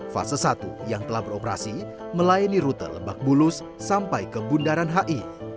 fase satu yang telah beroperasi melayani rute lebak bulus sampai ke bundaran hi